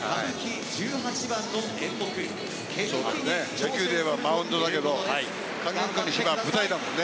野球でいえばマウンドだけど勸玄君にしたら舞台だもんね。